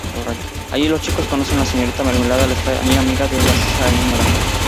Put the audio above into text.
Allí los chicos conocen a la Señorita Mermelada, la extraña amiga de la Sra.